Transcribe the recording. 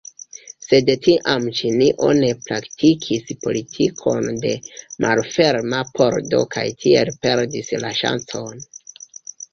Sed tiam Ĉinio ne praktikis politikon de malferma pordo kaj tiel perdis la ŝancon.